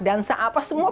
dansa apa semua